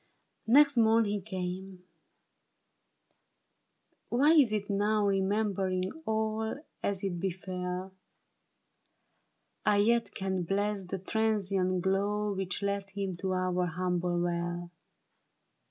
Next morn he came. Why is it now. Remembering all as it befell, I yet can bless the transient glow Which led him to our humble well